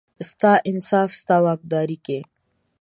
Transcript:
ستا انصاف، ستا واکدارۍ کې،